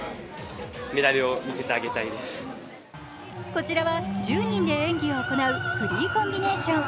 こちらは１０人で演技を行うフリーコンビネーション。